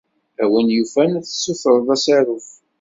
A win yufan ad tessutred asaruf.